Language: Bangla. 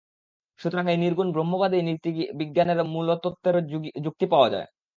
সুতরাং এই নির্গুণ ব্রহ্মবাদেই নীতিবিজ্ঞানের মূলতত্ত্বের যুক্তি পাওয়া যায়।